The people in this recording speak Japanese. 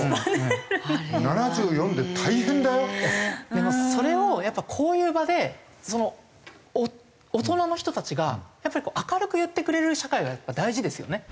でもそれをやっぱこういう場で大人の人たちが明るく言ってくれる社会が大事ですよね。